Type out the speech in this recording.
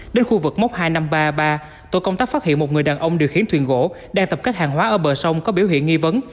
đến khu vực mốc hai nghìn năm trăm ba mươi ba tổ công tác phát hiện một người đàn ông điều khiển thuyền gỗ đang tập kết hàng hóa ở bờ sông có biểu hiện nghi vấn